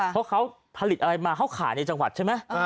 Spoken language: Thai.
เพราะเขาผลิตอะไรมาเขาขายในจังหวัดใช่ไหม